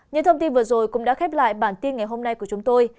những thông tin vừa rồi cũng đã khép lại bản tin ngày hôm nay của chúng tôi